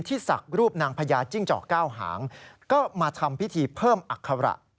ศักดิ์รูปนางพญาจิ้งจอกเก้าหางก็มาทำพิธีเพิ่มอัคระ